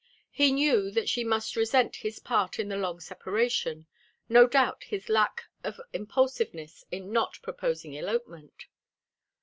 He knew that she must resent his part in the long separation, no doubt his lack of impulsiveness in not proposing elopement.